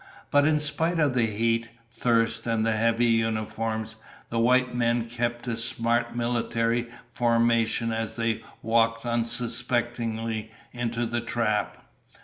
But in spite of heat, thirst, and the heavy uniforms, the white men kept a smart military formation as they walked unsuspectingly into the trap.